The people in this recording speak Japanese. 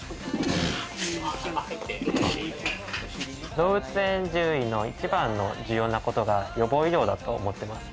動物園獣医の一番の重要なことが予防医療だと思ってます。